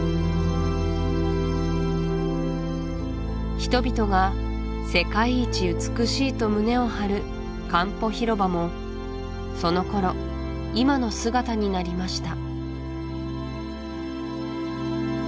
人々が世界一美しいと胸を張るカンポ広場もその頃今の姿になりました